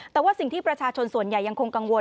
แต่ว่าสิ่งที่ประชาชนส่วนใหญ่ยังคงกังวล